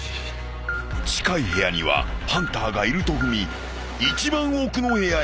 ［近い部屋にはハンターがいると踏み一番奥の部屋へ］